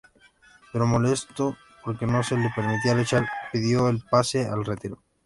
Pero, molesto porque no se le permitía luchar, pidió el pase a retiro.